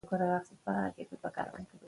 لومړی مطلب : اسلام پیژندنه